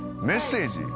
メッセージ？